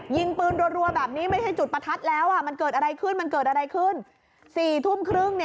ยิงปืนรวดแบบนี้ไม่ใช่จุดประทัดแล้วมันเกิดอะไรขึ้น